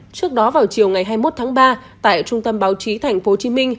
trước đó vào chiều ngày hai mươi một tháng ba tại trung tâm báo chí tp hcm